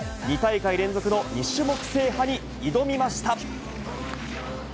２大会連続の２種目制覇に挑みました。